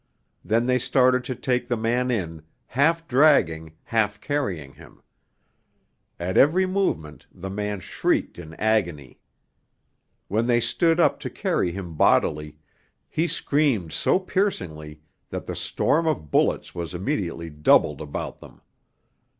Then they started to take the man in, half dragging, half carrying him. At every movement the man shrieked in agony. When they stood up to carry him bodily, he screamed so piercingly that the storm of bullets was immediately doubled about them.